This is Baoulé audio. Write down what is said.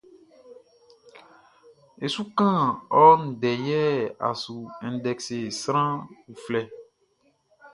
E su kan ɔ ndɛ yɛ a su index sran uflɛ.